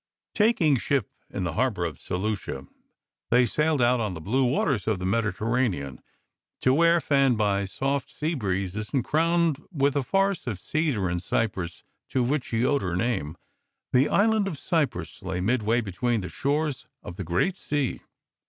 Taking ship in the harbour of Seleucia, they sailed out on the blue waters of the Mediter ranean to where, fanned by soft sea breezes and crowned^ with the forests of cedar and cypress to which she owed her name, the island of Cyprus lay midway between the shores of the Great Sea.